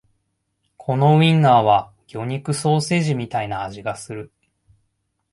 このウインナーは魚肉ソーセージみたいな味がする